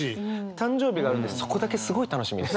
誕生日があるんでそこだけすごい楽しみです。